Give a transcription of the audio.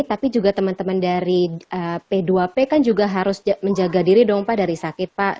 tapi juga teman teman dari p dua p kan juga harus menjaga diri dong pak dari sakit pak